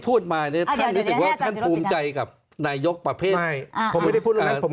เพราะคุณซีราไม่ได้เรียกว่าขอบธรรมพอบ้าง